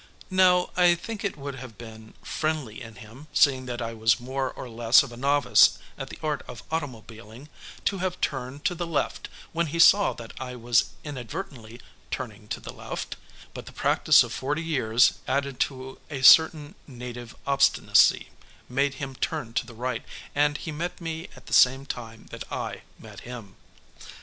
Now I think it would have been friendly in him, seeing that I was more or less of a novice at the art of automobiling, to have turned to the left when he saw that I was inadvertently turning to the left, but the practice of forty years added to a certain native obstinacy made him turn to the right, and he met me at the same time that I met him.